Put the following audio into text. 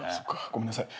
ごめんなさい。